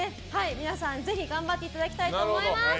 皆さん、ぜひ頑張っていただきたいと思います。